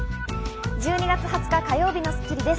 １２月２０日、火曜日の『スッキリ』です。